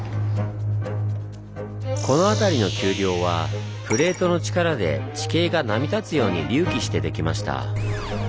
この辺りの丘陵はプレートの力で地形が波立つように隆起してできました。